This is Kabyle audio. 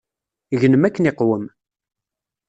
Gnem akken iqwem.